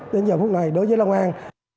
đến giờ phút này đối với long an